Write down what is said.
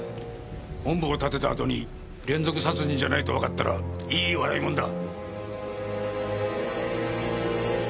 本部を立てた後に連続殺人じゃないとわかったらいい笑い物だ。